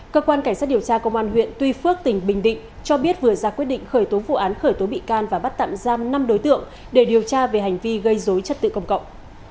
cơ quan cảnh sát điều tra công an huyện tuy phước tỉnh bình định cho biết vừa ra quyết định khởi tố vụ án khởi tố bị can và bắt tạm giam năm đối tượng để điều tra về hành vi gây dối chất tự công cộng